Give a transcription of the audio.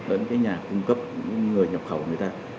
cả những nhà cung cấp những người nhập khẩu của người ta